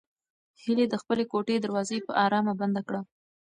هیلې د خپلې کوټې دروازه په ارامه بنده کړه.